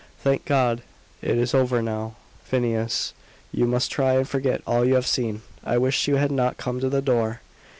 "Thank God, it is over now! Phineas, you must try and forget all you have seen. I wish you had not come to the door."